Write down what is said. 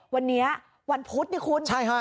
วันนี้วันพุธนี่คุณใช่ฮะ